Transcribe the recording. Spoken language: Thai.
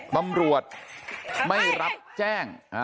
ตำรวจไม่รับแจ้ง